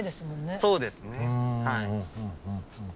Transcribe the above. そうですねはい。